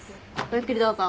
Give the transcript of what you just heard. ゆっくりどうぞ。